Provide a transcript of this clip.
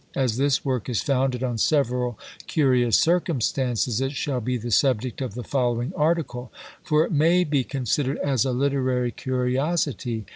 As this work is founded on several curious circumstances, it shall be the subject of the following article; for it may be considered as a literary curiosity.